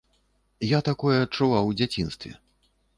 Я такое адчуваў у дзяцінстве.